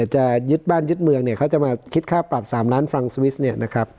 จะยึดบ้านยึดเมืองเขาจะมาคิดค่าปรับ๓ล้านฟรรงส์ศวีส